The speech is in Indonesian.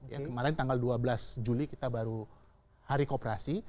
ya kemarin tanggal dua belas juli kita baru hari kooperasi